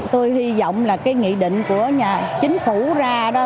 tôi hy vọng là cái nghị định của chính phủ ra đó